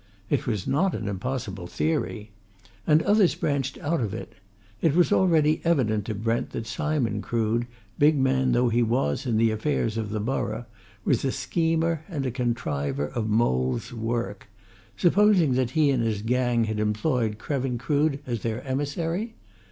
It was not an impossible theory. And others branched out of it. It was already evident to Brent that Simon Crood, big man though he was in the affairs of the borough, was a schemer and a contriver of mole's work: supposing that he and his gang had employed Krevin Crood as their emissary?